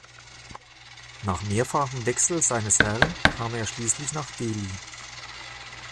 Nach mehrfachem Wechsel seines Herren kam er schließlich nach Delhi.